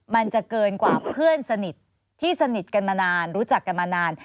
มันจะเกินกว่าเพื่อนสนิทที่สนิทกันมานานรู้จักกันมานาน